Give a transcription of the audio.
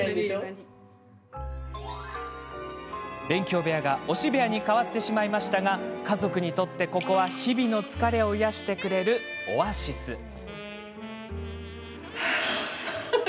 勉強部屋が推し部屋に変わってしまいましたが家族にとってここは日々の疲れを癒やしてくれるオアシス。